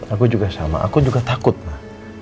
aku juga sama aku juga takut mah